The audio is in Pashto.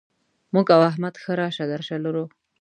موږ او احمد ښه راشه درشه لرو.